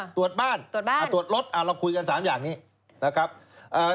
ตรวจบ้านตรวจรถเราคุยกัน๓อย่างนี้นะครับตรวจบ้าน